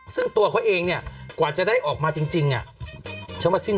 ซึ่งตัวเขาเองเนี่ยกว่าจะได้ออกมาจริงอ่ะฉันว่าสิ้น